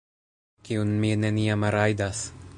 Kiun mi neniam rajdas